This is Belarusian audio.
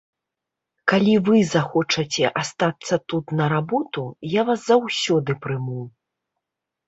Калі вы захочаце астацца тут на работу, я вас заўсёды прыму.